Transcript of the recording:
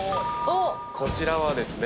こちらはですね